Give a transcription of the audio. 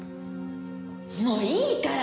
もういいから！